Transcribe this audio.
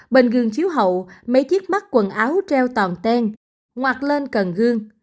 bên gương chiếu hậu mấy chiếc mắt quần áo treo toàn ten ngoặt lên cần gương